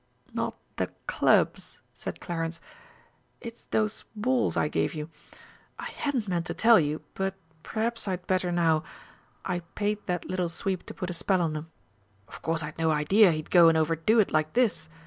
"Not the clubs," said Clarence; "it's those balls I gave you. I hadn't meant to tell you, but p'raps I'd better now. I paid that little sweep to put a spell on 'em. Of course I'd no idea he'd go and overdo it like this.